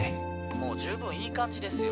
もう十分いい感じですよ。